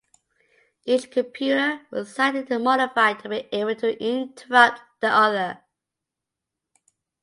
Each computer was slightly modified to be able to interrupt the other.